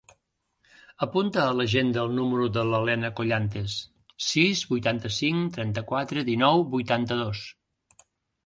Apunta a l'agenda el número de la Helena Collantes: sis, vuitanta-cinc, trenta-quatre, dinou, vuitanta-dos.